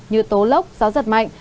như tố lốc gió giật mạnh